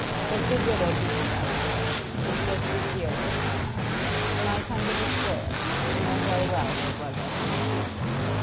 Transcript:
What's the good o' beatin' about the bush? It's just this 'ere, Dick, my lad. When I come to the Square, you know very well who it was as I come to see.